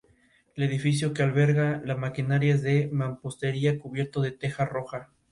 Se han reportado dos isoformas de aldehído deshidrogenasa en el hígado: Citosólica y Mitocondrial.